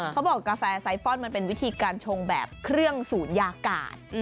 กาแฟไซฟอนดมันเป็นวิธีการชงแบบเครื่องศูนยากาศ